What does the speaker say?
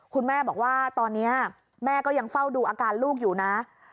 คุณแม่บอกว่าตอนนี้แม่ก็ยังเฝ้าดูอาการลูกอยู่นะ